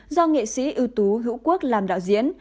do nghệ sĩ ưu tú hữu quốc làm đạo diễn